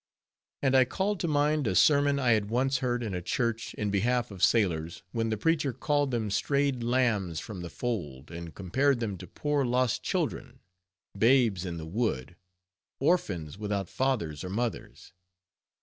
And I called to mind a sermon I had once heard in a church in behalf of sailors, when the preacher called them strayed lambs from the fold, and compared them to poor lost children, babes in the wood, orphans without fathers or mothers.